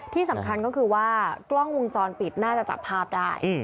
ที่สำคัญก็คือว่ากล้องวงจรปิดน่าจะจับภาพได้